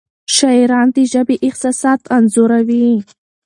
شاعران د ژبې احساسات انځوروي.